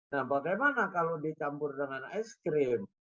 nah bagaimana kalau dicampur dengan es krim